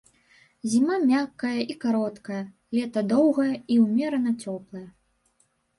Зіма мяккая і кароткая, лета доўгае і ўмерана цёплае.